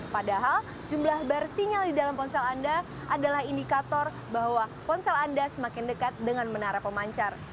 padahal jumlah bar sinyal di dalam ponsel anda adalah indikator bahwa ponsel anda semakin dekat dengan menara pemancar